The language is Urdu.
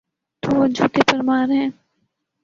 تو وہ جوتی پرمار ہیں۔